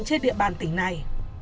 trên địa bàn tỉnh này